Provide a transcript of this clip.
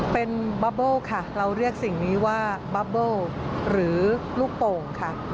เป็นบับโบ้ค่ะเราเรียกสิ่งนี้ว่าบับโบหรือลูกโป่งค่ะ